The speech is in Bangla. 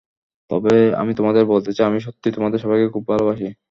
তবে আমি তোমাদের বলতে চাই আমি সত্যিই তোমাদের সবাইকে খুব ভালোবাসি।